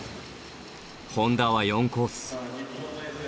本多は４コース。